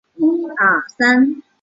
迈向下一个千禧年